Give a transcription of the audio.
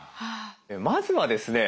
まずはですね